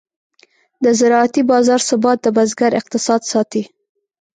د زراعتي بازار ثبات د بزګر اقتصاد ساتي.